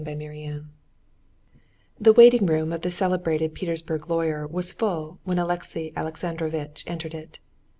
Chapter 5 The waiting room of the celebrated Petersburg lawyer was full when Alexey Alexandrovitch entered it.